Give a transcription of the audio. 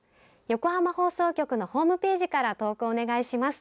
横浜放送局のホームページから投稿お願いします。